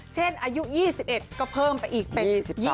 อายุ๒๑ก็เพิ่มไปอีกเป็น